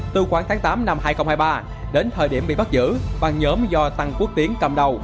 từ khoảng tháng tám năm hai nghìn hai mươi ba đến thời điểm bị bắt giữ băng nhóm do tăng quốc tiến cầm đầu